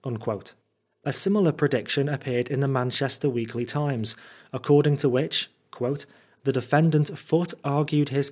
'* A similar prediction appeared in the Manchester Weekly TimeSy according to which 'Uhe defendant Foote argued his.